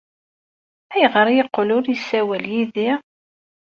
Ayɣer ay yeqqel ur yessawal yid-i?